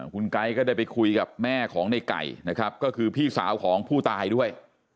คุณไก๊ก็ได้ไปคุยกับแม่ของในไก่นะครับก็คือพี่สาวของผู้ตายด้วย